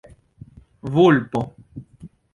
vulpo